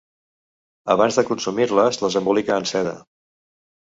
Abans de consumir-les, les embolica en seda.